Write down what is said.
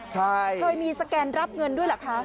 ใช่เคยมีสแกนรับเงินด้วยเหรอคะ